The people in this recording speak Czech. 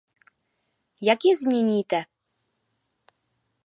Jak je změníte?